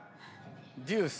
ジュース。